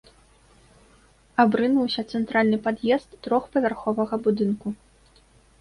Абрынуўся цэнтральны пад'езд трохпавярховага будынку.